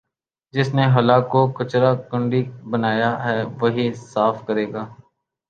جس نے خلاکو کچرا کنڈی بنایا ہے وہی صاف کرے گا